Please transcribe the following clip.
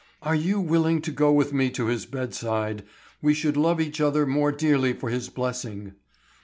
Are you willing to go with me to his bedside? We should love each other more dearly for his blessing."